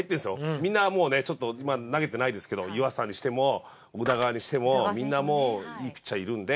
みんなもうねちょっとまだ投げてないですけど湯浅にしても宇田川にしてもみんなもういいピッチャーいるんで。